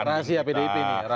ini rahasia pdip ini